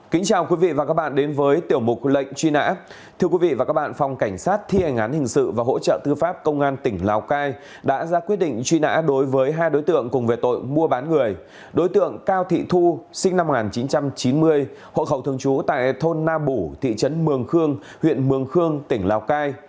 sinh năm một nghìn chín trăm chín mươi hộ khẩu thường chú tại thôn na bủ thị trấn mường khương huyện mường khương tỉnh lào cai